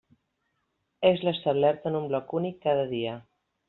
És l'establerta en un bloc únic cada dia.